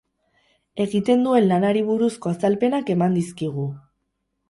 Egiten duen lanari buruzko azalpenak eman dizkigu.